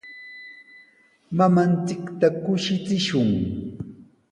Mamanchikta kushichishun.